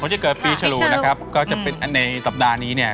ที่เกิดปีฉลูนะครับก็จะเป็นอันในสัปดาห์นี้เนี่ย